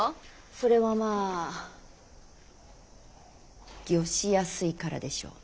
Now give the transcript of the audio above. それはまあ御しやすいからでしょ。